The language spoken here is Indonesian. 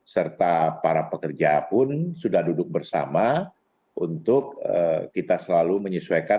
serta para pekerja pun sudah duduk bersama untuk kita selalu menyesuaikan